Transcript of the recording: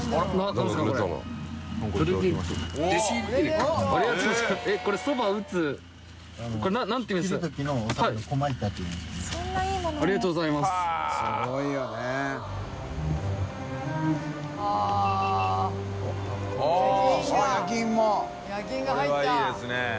海譴いいですね。